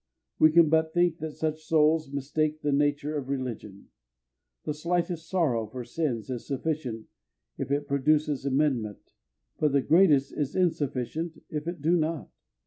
We can but think that such souls mistake the nature of religion. The slightest sorrow for sins is sufficient if it produces amendment, but the greatest is insufficient if it do not.